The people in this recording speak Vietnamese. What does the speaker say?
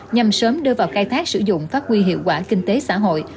nhằm sớm đưa vào khai thác sử dụng các quy hiệu quả kinh tế xã hội